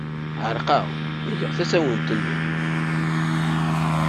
Ɛerqeɣ, uwyeɣ tasiwant-nnem.